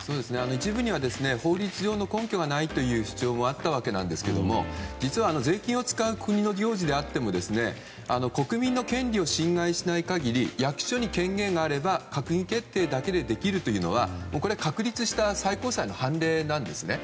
一部には法律上の根拠がないという主張もあったわけですが、実は税金を使う国の行事であっても国民の権利を侵害しない限り役所に権限があれば閣議決定だけでできるというのはこれは確立した最高裁の判例なんですね。